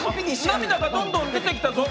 涙がどんどん出てきたぞ。